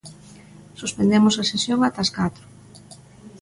Suspendemos a sesión ata as catro.